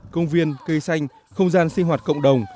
công viên cây xanh không gian sinh hoạt cộng đồng